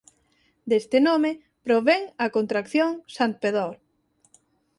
Deste nome provén a contracción Santpedor.